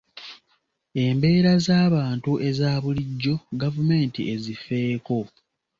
Embeera z'abantu eza bulijjo gavumenti ezifeeko.